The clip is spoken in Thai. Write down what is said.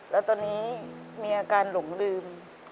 แล้วตอนนี้มีอาการหลงลืม